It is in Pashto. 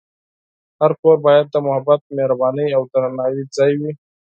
هر کور باید د محبت، مهربانۍ، او درناوي ځای وي.